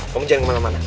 kamu jangan kemana mana